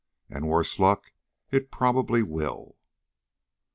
And worse luck, it probably will."